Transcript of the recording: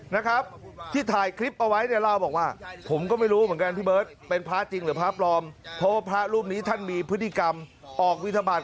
เนี้ยครับแล้วก็ออกจากตลาดไปดูครับเจ้าบ้าน